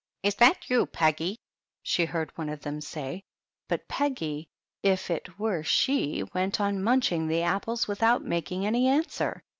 " Is that you, Peggy ?" she heard one of them say ; but Peggy, if it were she, went on munching the apples without making any answer.